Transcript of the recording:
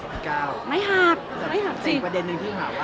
พี่ก้าวไม่ปลอดภัยงานเรา